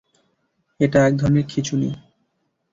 এটা একধরনের খিঁচুনি।